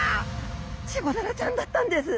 チゴダラちゃんだったんです。